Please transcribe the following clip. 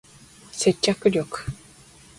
接着力